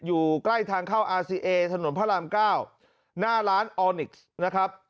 อยู่ใกล้ทางเข้าอาซีเอถนนพระรามเก้าหน้าร้านออนิกซ์นะครับ